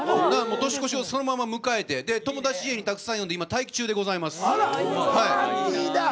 年越しをそのまま迎えて友達、たくさん家に呼んで今、待機中でございます。